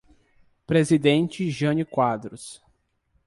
Presidente Jânio Quadros